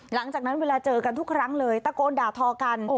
หลังจากนั้นเวลาเจอกันทุกครั้งเลยตะโกนด่าทอกัน